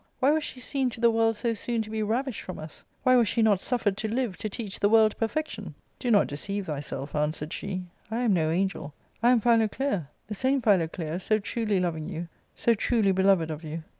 Why was she seen to the world so soon to be ravished from us ? Why was she not suffered to live, to teach the world perfection ?*'Do not deceive thyself," answered she ;" I am no angel : I am Philoclea, the same Philoclea, so truly loving you, so truly beloved of you."